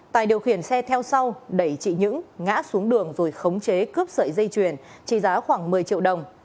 tài điều khiển xe theo sau đẩy chị những ngã xuống đường rồi khống chế cướp sợi dây chuyền trị giá khoảng một mươi triệu đồng